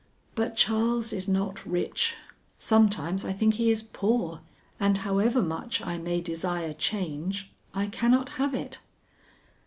But Charles is not rich; sometimes I think he is poor, and however much I may desire change, I cannot have it.